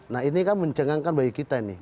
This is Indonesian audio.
nah ini kan mencengangkan bagi kita nih